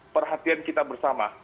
perhatian kita bersama